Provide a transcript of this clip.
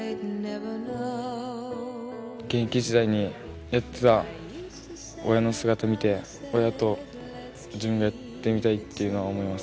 現役時代にやってた、親の姿見て、親と自分もやってみたいというのは思います。